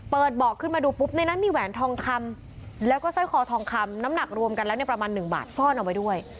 เปิดเบาะดูแล้วแหวนทองคำและเส้นขอทองคำน้ำหนักรวมกันแล้วประมาณ๑บาทซ่อนเอาไว้ด้วย